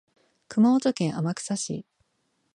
熊本県天草市